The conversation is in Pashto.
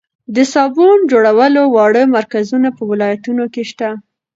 د صابون جوړولو واړه مرکزونه په ولایتونو کې شته.